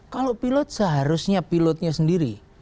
kalau pilot seharusnya pilotnya sendiri